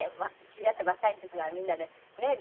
知り合ったばかりの時はみんなでねえ